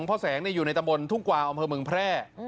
พ่อแสงอยู่ในตำบลทุ่งกวางอำเภอเมืองแพร่